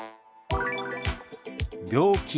「病気」。